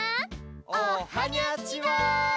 おはにゃちは！